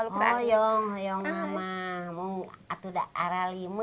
sudah berusia berusia berusia